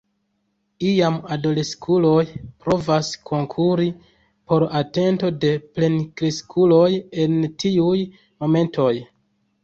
Iam adoleskuloj provas konkuri por atento de plenkreskuloj en tiuj momentoj.